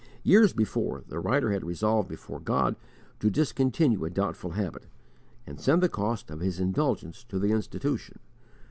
Years before, the writer had resolved before God to discontinue a doubtful habit, and send the cost of his indulgence to the Institution.